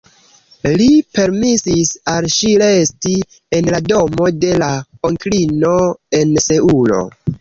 Li permesis al ŝi resti en la domo de la onklino en Seulo.